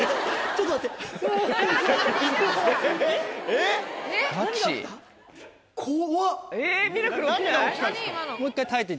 ちょっと待って！